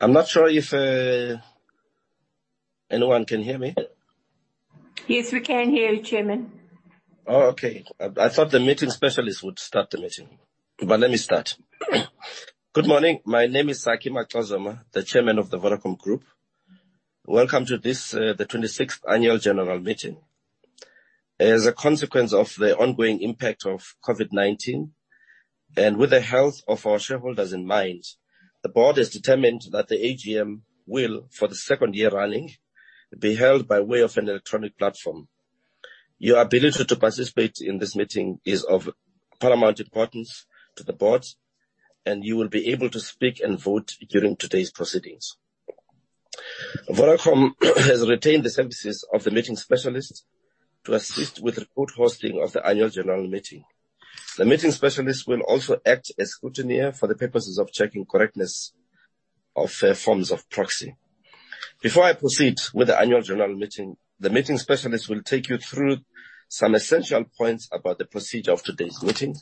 I'm not sure if anyone can hear me? Yes, we can hear you, Chairman. Okay. I thought the meeting specialist would start the meeting. Let me start. Good morning. My name is Saki Macozoma, the Chairman of the Vodacom Group. Welcome to this- the 26th Annual General Meeting. As a consequence of the ongoing impact of COVID-19, and with the health of our shareholders in mind, the board has determined that the AGM will, for the second year running, be held by way of an electronic platform. Your ability to participate in this meeting is of paramount importance to the board, and you will be able to speak and vote during today's proceedings. Vodacom has retained the services of the meeting specialist to assist with remote hosting of the Annual General Meeting. The meeting specialist will also act as scrutineer for the purposes of checking correctness of forms of proxy. Before I proceed with the Annual General Meeting, the meeting specialist will take you through some essential points about the procedure of today's meeting.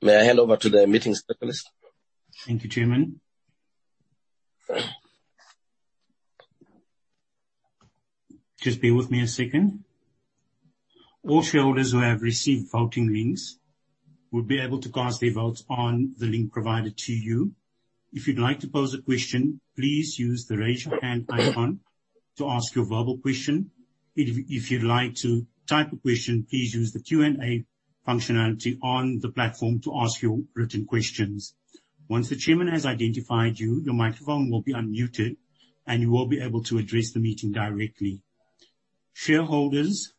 May I hand over to the meeting specialist. Thank you, Chairman. Just bear with me a second. All shareholders who have received voting links will be able to cast their votes on the link provided to you. If you'd like to pose a question, please use the raise your hand icon to ask your verbal question. If you'd like to type a question, please use the Q&A functionality on the platform to ask your written questions. Once the Chairman has identified you, your microphone will be unmuted, and you will be able to address the meeting directly. Shareholders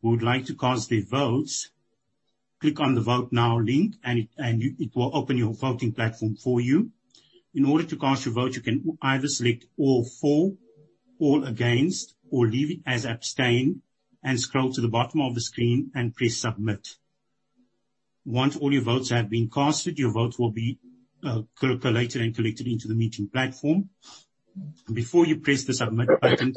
who would like to cast their votes, click on the Vote Now link, and it will open your voting platform for you. In order to cast your vote, you can either select all for, all against, or leave it as abstain and scroll to the bottom of the screen and press submit. Once all your votes have been cast, your vote will be collated and collected into the meeting platform. Before you press the submit button,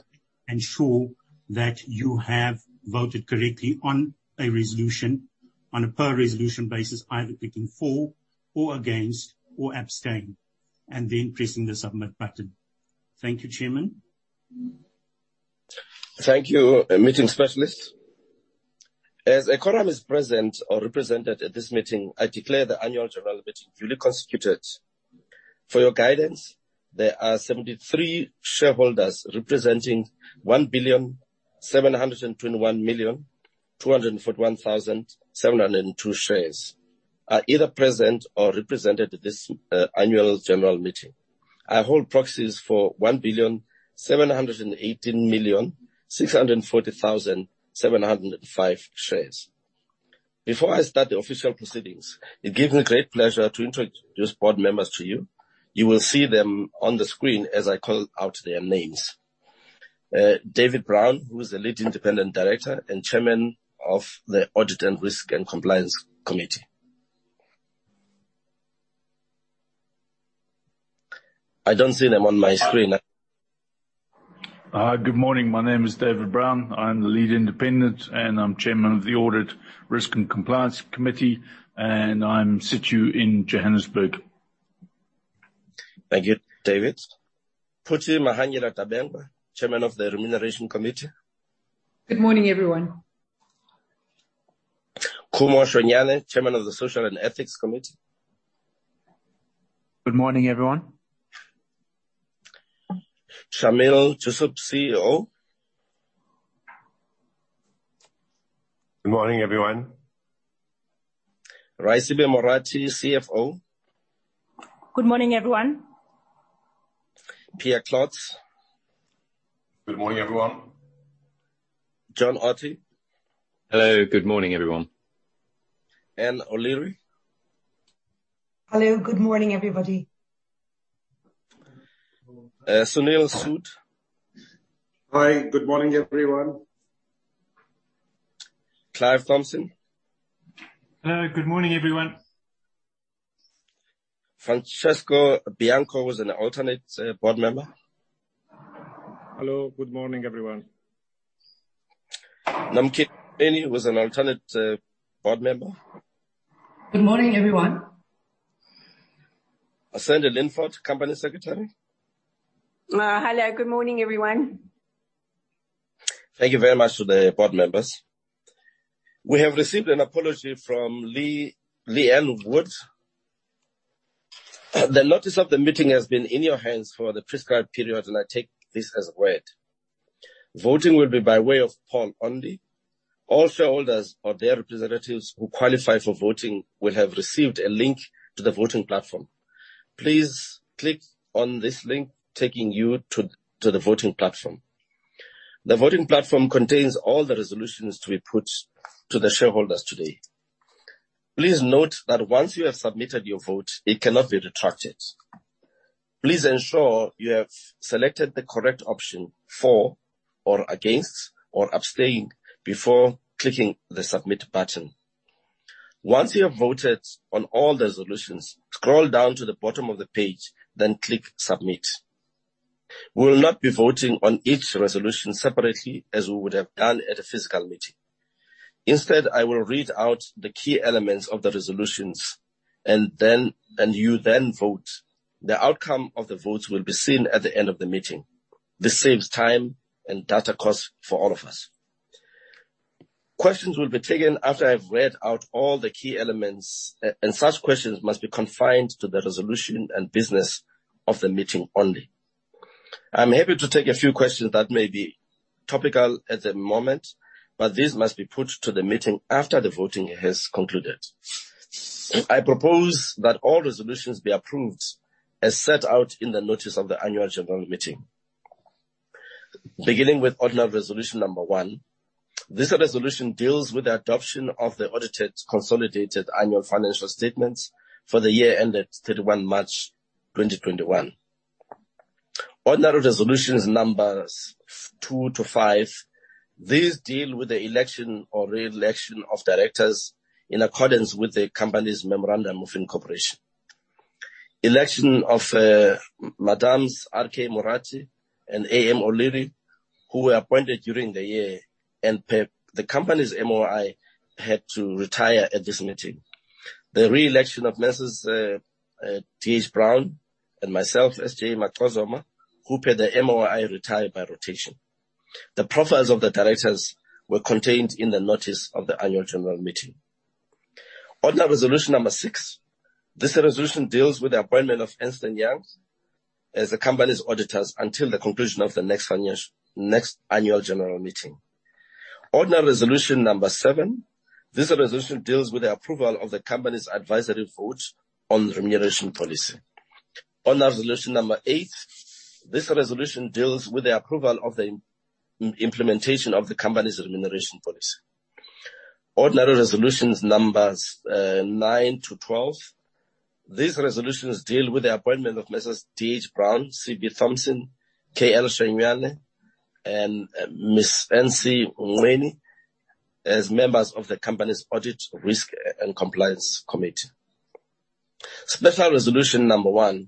ensure that you have voted correctly on a resolution, on a per resolution basis, either picking for or against or abstain, and then pressing the submit button. Thank you, Chairman. Thank you, meeting specialist. As a quorum is present or represented at this meeting, I declare the Annual General Meeting duly constituted. For your guidance, there are 73 shareholders representing 1,721,241,702 shares, are either present or represented at this Annual General Meeting. I hold proxies for 1,718,640,705 shares. Before I start the official proceedings, it gives me great pleasure to introduce board members to you. You will see them on the screen as I call out their names. David Brown, who is the Lead Independent Director and Chairman of the Audit, Risk and Compliance Committee- I don't see them on my screen. Good morning. My name is David Brown. I'm the Lead Independent, and I'm Chairman of the Audit, Risk and Compliance Committee, and I'm situated in Johannesburg. Thank you, David. Phuthi Mahanyele-Dabengwa, Chairman of the Remuneration Committee. Good morning, everyone. Khumo Shuenyane, Chairman of the Social and Ethics Committee. Good morning, everyone. Shameel Joosub, CEO. Good morning, everyone. Raisibe Morathi, CFO. Good morning, everyone. Pierre Klotz. Good morning, everyone. John Otty. Hello. Good morning, everyone. Anne O'Leary. Hello. Good morning, everybody. Sunil Sood. Hi. Good morning, everyone. Clive Thomson. Hello. Good morning, everyone. Francesco Bianco, who is an alternate board member. Hello. Good morning, everyone. Nomkhita Nqweni, who is an alternate board member. Good morning, everyone. Sandi Linford, Company Secretary. Hello. Good morning, everyone. Thank you very much to the Board members. We have received an apology from Leanne Wood. The notice of the meeting has been in your hands for the prescribed period. I take this as read. Voting will be by way of poll only. All shareholders or their representatives who qualify for voting will have received a link to the voting platform. Please click on this link taking you to the voting platform. The voting platform contains all the resolutions to be put to the shareholders today. Please note that once you have submitted your vote, it cannot be retracted. Please ensure you have selected the correct option, for or against or abstaining, before clicking the submit button. Once you have voted on all the resolutions, scroll down to the bottom of the page, then click Submit. We will not be voting on each resolution separately as we would have done at a physical meeting. Instead, I will read out the key elements of the resolutions, and you then vote. The outcome of the votes will be seen at the end of the meeting. This saves time and data costs for all of us. Questions will be taken after I've read out all the key elements, and such questions must be confined to the resolution and business of the meeting only. I'm happy to take a few questions that may be topical at the moment, but these must be put to the meeting after the voting has concluded. I propose that all resolutions be approved as set out in the notice of the Annual General Meeting. Beginning with ordinary resolution number one, this resolution deals with the adoption of the audited consolidated annual financial statements for the year ended 31 March 2021. Ordinary resolutions numbers two to five, these deal with the election or re-election of directors in accordance with the company's memorandum of incorporation. Election of Madames R.K. Morathi and A.M. O'Leary, who were appointed during the year and per the company's MOI, had to retire at this meeting. The re-election of Ms. D.H. Brown and myself, S.J. Macozoma, who per the MOI, retire by rotation. The profiles of the directors were contained in the notice of the Annual General Meeting. Ordinary resolution number six. This resolution deals with the appointment of Ernst & Young as the company's auditors until the conclusion of the next Annual General Meeting. Ordinary resolution number seven. This resolution deals with the approval of the company's advisory vote on remuneration policy. Ordinary resolution number eight. This resolution deals with the approval of the implementation of the company's remuneration policy. Ordinary resolutions numbers nine to 12. These resolutions deal with the appointment of Mrs D.H. Brown, C.B. Thomson, K.L. Shuenyane, and Ms. N.C. Nqweni as members of the company's Audit, Risk and Compliance Committee. Special resolution number one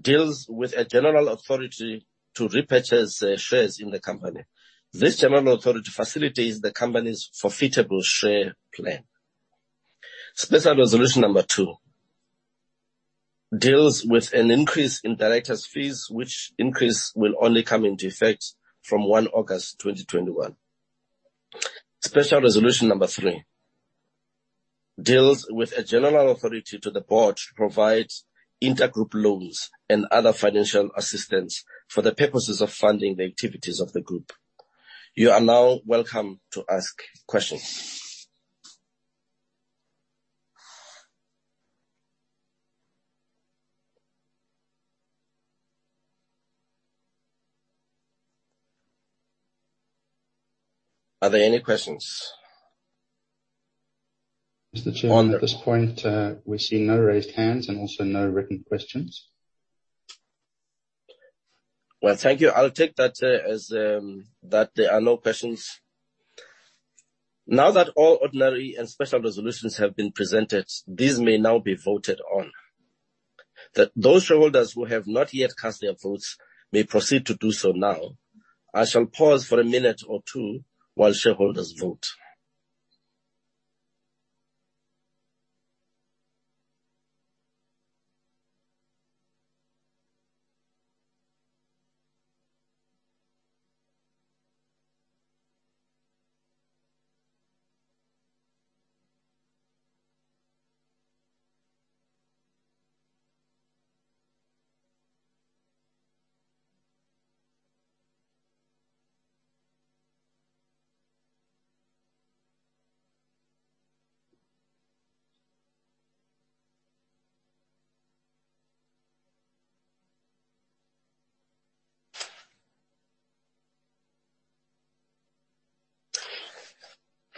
deals with a general authority to repurchase shares in the company. This general authority facilitates the company's forfeitable share plan. Special resolution number two deals with an increase in directors' fees, which increase will only come into effect from 1 August 2021. Special resolution number three deals with a general authority to the board to provide intergroup loans and other financial assistance for the purposes of funding the activities of the group. You are now welcome to ask questions. Are there any questions? Mr. Chairman, at this point, we see no raised hands and also no written questions. Well, thank you. I'll take that as there are no questions. Now that all ordinary and special resolutions have been presented, these may now be voted on. Those shareholders who have not yet cast their votes may proceed to do so now. I shall pause for a minute or two while shareholders vote.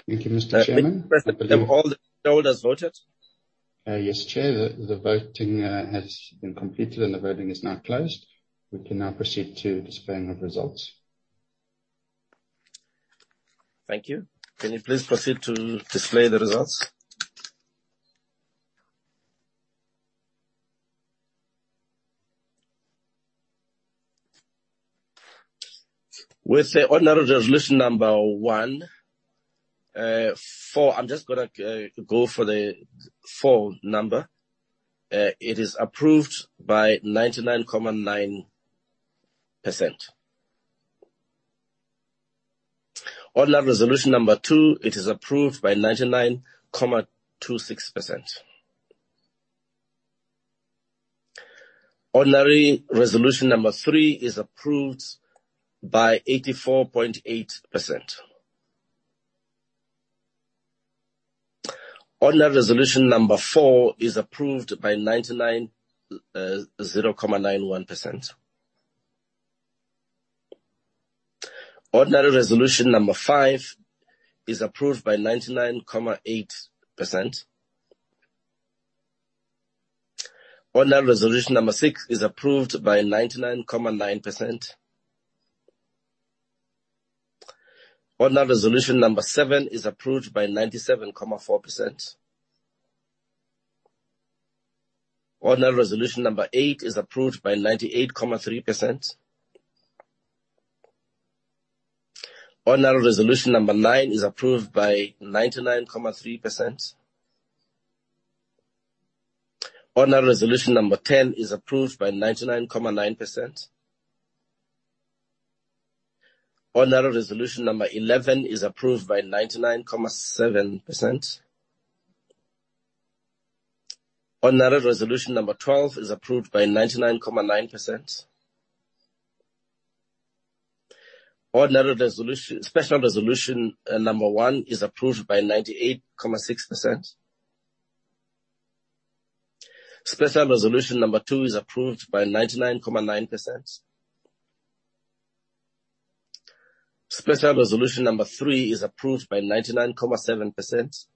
Thank you, Mr. Chairman. Have all the shareholders voted? Yes, Chair. The voting has been completed, and the voting is now closed. We can now proceed to displaying of results. Thank you. Can you please proceed to display the results? With the ordinary resolution number one, I'm just going to go for the full number. It is approved by 99.9%. Ordinary resolution number two, it is approved by 99.26%. Ordinary resolution number three is approved by 84.8%. Ordinary resolution number four is approved by 90.91%. Ordinary resolution number five is approved by 99.8%. Ordinary resolution number six is approved by 99.9%. Ordinary resolution number seven is approved by 97.4%. Ordinary resolution number eight is approved by 98.3%. Ordinary resolution number nine is approved by 99.3%. Ordinary resolution number 10 is approved by 99.9%. Ordinary resolution number 11 is approved by 99.7%. Ordinary resolution number 12 is approved by 99.9%. Special resolution number one is approved by 98.6%. Special resolution number two is approved by 99.9%. Special resolution number three is approved by 99.7%.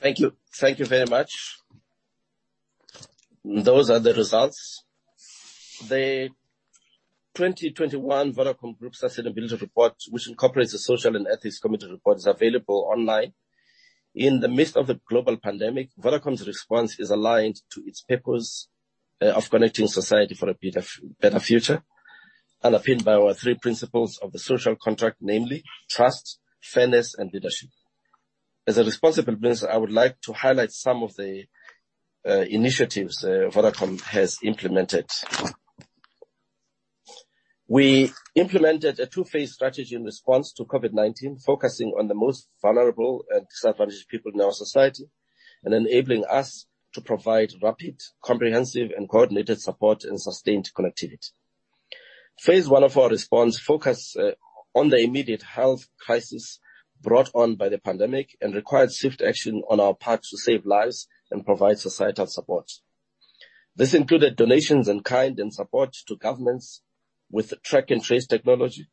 Thank you. Thank you very much. Those are the results. The 2021 Vodacom Group Sustainability Report, which incorporates the Social and Ethics Committee report, is available online. In the midst of the global pandemic, Vodacom's response is aligned to its purpose of connecting society for a better future and underpinned by our three principles of the social contract- namely trust, fairness, and leadership. As a responsible business, I would like to highlight some of the initiatives Vodacom has implemented. We implemented a two-phase strategy in response to COVID-19, focusing on the most vulnerable and disadvantaged people in our society and enabling us to provide rapid, comprehensive, and coordinated support and sustained connectivity. Phase I of our response focused on the immediate health crisis brought on by the pandemic and required swift action on our part to save lives and provide societal support. This included donations in kind and support to governments with track and trace technology.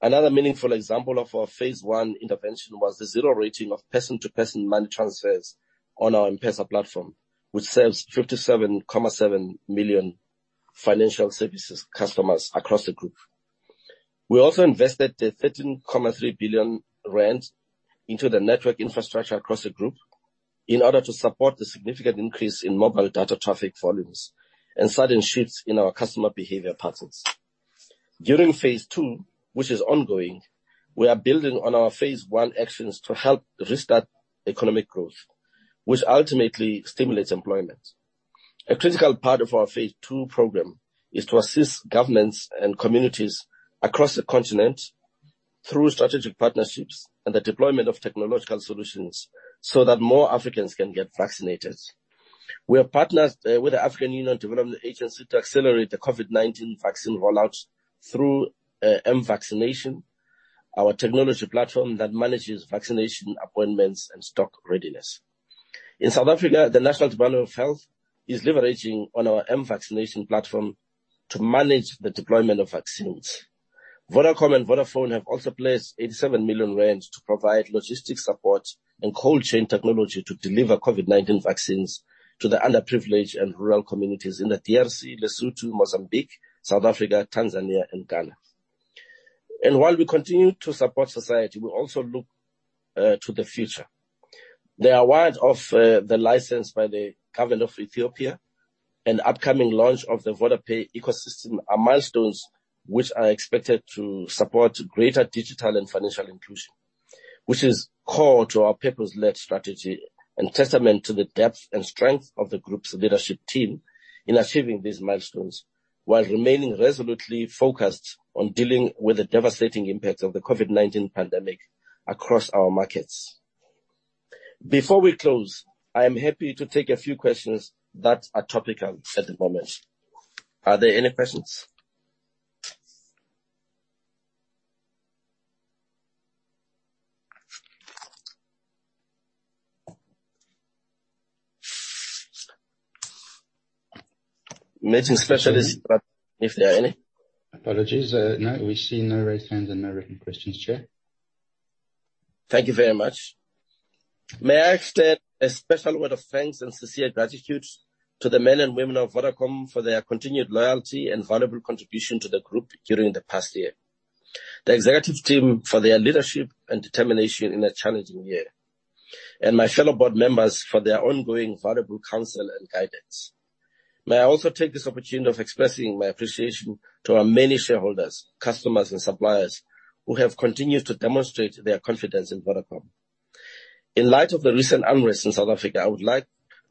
Another meaningful example of our phase I intervention was the zero rating of person-to-person money transfers on our M-PESA platform, which serves 57.7 million financial services customers across the group. We also invested 13.3 billion rand into the network infrastructure across the group in order to support the significant increase in mobile data traffic volumes and sudden shifts in our customer behavior patterns. During phase II, which is ongoing, we are building on our phase I actions to help restart economic growth, which ultimately stimulates employment. A critical part of our phase II program is to assist governments and communities across the continent through strategic partnerships and the deployment of technological solutions so that more Africans can get vaccinated. We have partnered with the African Union Development Agency to accelerate the COVID-19 vaccine rollout through mVacciNation, our technology platform that manages vaccination appointments and stock readiness. In South Africa, the National Department of Health is leveraging our mVacciNation platform to manage the deployment of vaccines. Vodacom and Vodafone have also pledged 87 million rand to provide logistics support and cold chain technology to deliver COVID-19 vaccines to the underprivileged and rural communities in the DRC, Lesotho, Mozambique, South Africa, Tanzania, and Ghana. While we continue to support society, we also look to the future. The award of the license by the government of Ethiopia and upcoming launch of the VodaPay ecosystem are milestones which are expected to support greater digital and financial inclusion, which is core to our purpose-led strategy and testament to the depth and strength of the group's leadership team in achieving these milestones while remaining resolutely focused on dealing with the devastating impact of the COVID-19 pandemic across our markets. Before we close, I am happy to take a few questions that are topical at the moment. Are there any questions? Meeting specialists, if there are any. Apologies. No, we see no raised hands and no written questions, Chair. Thank you very much. May I extend a special word of thanks and sincere gratitude to the men and women of Vodacom for their continued loyalty and valuable contribution to the group during the past year, the executive team for their leadership and determination in a challenging year, and my fellow Board members for their ongoing valuable counsel and guidance. May I also take this opportunity of expressing my appreciation to our many shareholders, customers, and suppliers who have continued to demonstrate their confidence in Vodacom. In light of the recent unrest in South Africa, I would like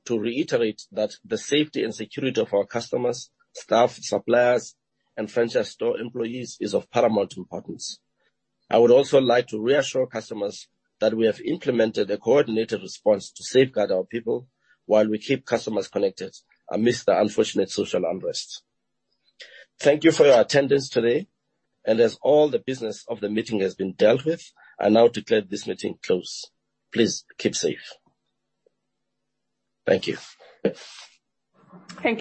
to reiterate that the safety and security of our customers, staff, suppliers, and franchise store employees is of paramount importance. I would also like to reassure customers that we have implemented a coordinated response to safeguard our people while we keep customers connected amidst the unfortunate social unrest. Thank you for your attendance today, and as all the business of the meeting has been dealt with, I now declare this meeting closed. Please keep safe. Thank you. Thank you.